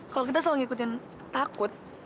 kalau kita selalu ngikutin takut